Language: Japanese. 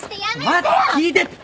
聞いてって。